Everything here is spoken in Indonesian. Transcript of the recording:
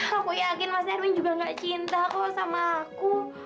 aku yakin mas erwin juga gak cinta kok sama aku